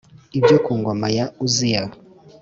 Ibyo ku ngoma ya Uziya